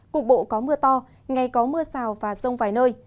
cục bộ có mưa to ngày có mưa rào và rông vài nơi